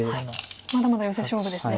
まだまだヨセ勝負ですね。